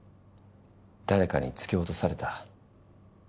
誰かに突き落とされた。